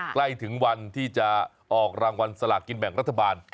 ใกล้ถึงวันที่จะออกรางวัลสลากกินแบ่งรัฐบาล